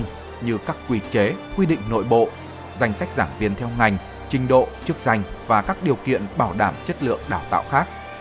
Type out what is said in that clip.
như các quy chế quy định nội bộ danh sách giảng viên theo ngành trình độ chức danh và các điều kiện bảo đảm chất lượng đào tạo khác